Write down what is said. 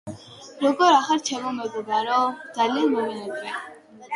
მყინვარის ზედაპირზე ნაპრალები სუსტად არის განვითარებული.